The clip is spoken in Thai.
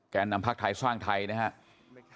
แกนนำภาคไทยสร้างไทยนะครับ